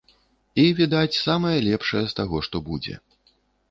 І, відаць, самае лепшае з таго, што будзе.